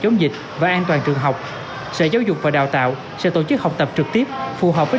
chống dịch và an toàn trường học sở giáo dục và đào tạo sẽ tổ chức học tập trực tiếp phù hợp với